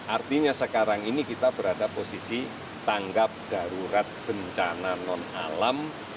artinya sekarang ini kita berada posisi tanggap darurat bencana non alam